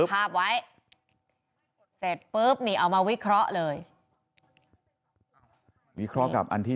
ภาพไว้เสร็จปุ๊บนี่เอามาวิเคราะห์เลยวิเคราะห์กับอันที่